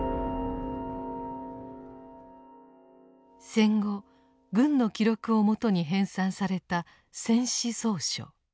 戦後軍の記録をもとに編纂された「戦史叢書」。